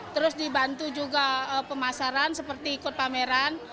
terus dibantu juga pemasaran seperti ikut pameran